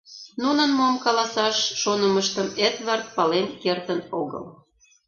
Нунын мом каласаш шонымыштым Эдвард пален кертын огыл.